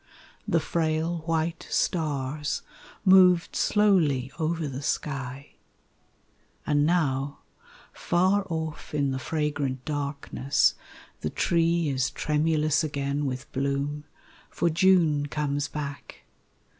... The frail white stars moved slowly over the sky. And now, far off In the fragrant darkness The tree is tremulous again with bloom, For June comes back.